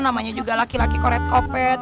namanya juga laki laki koret kopet